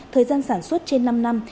thời gian sản xuất trên năm năm